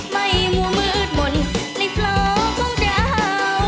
ไม่มั่วมืดมนต์ในพล่อของเรา